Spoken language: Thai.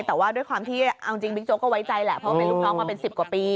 แต่ว่าด้วยความที่เอาจริงบิ๊กโจ๊ก็ไว้ใจแหละเพราะว่าเป็นลูกน้องมาเป็น๑๐กว่าปี